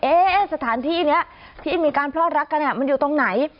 สถานที่นี้ที่มีการพลอดรักกันเนี่ยมันอยู่ตรงไหน